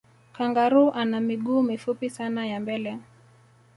kangaroo ana miguu mifupi sana ya mbele